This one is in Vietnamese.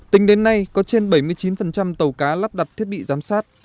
tính đến nay có trên bảy mươi chín tàu cá lắp đặt thiết bị giám sát